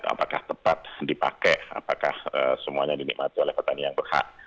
apakah tepat dipakai apakah semuanya dinikmati oleh petani yang berhak